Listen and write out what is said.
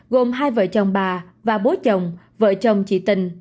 gồm hai vợ chồng bà và bố chồng vợ chồng chị tình